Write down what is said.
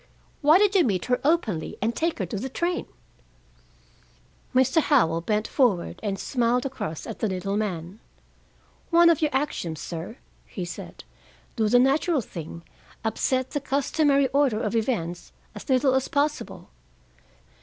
"Why did you meet her openly, and take her to the train?" Mr. Howell bent forward and smiled across at the little man. "One of your own axioms, sir," he said. "Do the natural thing; upset the customary order of events as little as possible.